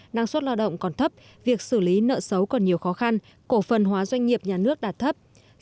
năng suất lao động còn thấp việc xử lý nợ xấu còn nhiều khó khăn cổ phần hóa doanh nghiệp nhà nước đạt thấp